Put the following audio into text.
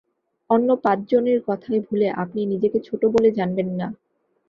অন্য পাঁচজনের কথায় ভুলে আপনি নিজেকে ছোটো বলে জানবেন না।